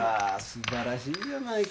素晴らしいじゃないか。